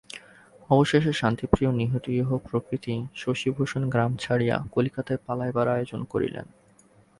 অবশেষে শান্তিপ্রিয় নিরীহ প্রকৃতি শশিভূষণ গ্রাম ছাড়িয়া কলিকাতায় পালাইবার আয়োজন করিলেন।